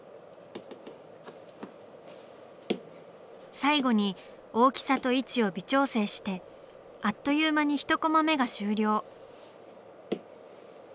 最後に大きさと位置を微調整してあっという間に１コマ目が終了。